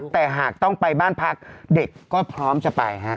แต่หากต้องไปบ้านพักเด็กก็พร้อมจะไปฮะ